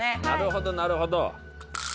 なるほどなるほど！